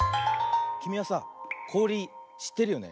きみはさこおりしってるよね？